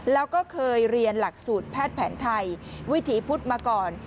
แล้วก็เคยเรียนหลักสูตรแพทย์แผนไทยวิถีพุทธมาก่อน